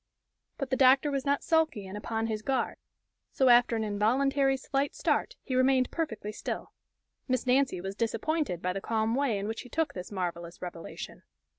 But the doctor was not sulky, and upon his guard; so after an involuntary slight start, he remained perfectly still. Miss Nancy was disappointed by the calm way in which he took this marvelous revelation.